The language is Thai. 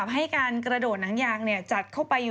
แล้วเร็วมากบอกเลย